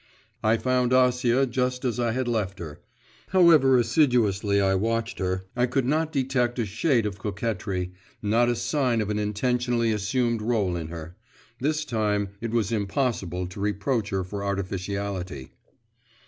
I found Acia just as I had left her; however assiduously I watched her I could not detect a shade of coquetry, nor a sign of an intentionally assumed rôle in her; this time it was impossible to reproach her for artificiality.